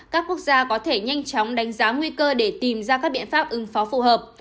các quốc gia có thể nhanh chóng đánh giá nguy cơ để tìm ra các biện pháp ứng phó phù hợp